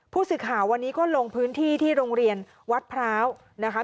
ผู้สื่อข่าววันนี้ก็ลงพื้นที่ที่โรงเรียนวัดพร้าวนะคะ